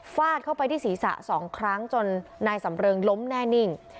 ฟาดเข้าไปที่ศีรษะ๒ครั้งจนนายสำเริงล้มแน่นิ่ง